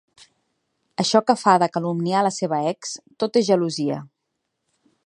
Això que fa de calumniar la seva ex, tot és gelosia.